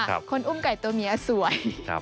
คนอุ้มไก่ตัวเมียสวย